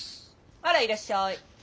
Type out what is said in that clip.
あらいらっしゃい。